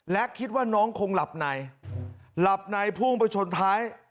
และคิดว่าน้องคงหลับในหลับในพุ่งไปชนท้าย